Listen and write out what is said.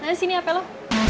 nah sini hape lo